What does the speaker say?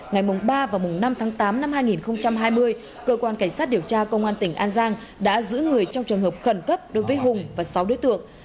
ngày ba và mùng năm tháng tám năm hai nghìn hai mươi cơ quan cảnh sát điều tra công an tỉnh an giang đã giữ người trong trường hợp khẩn cấp đối với hùng và sáu đối tượng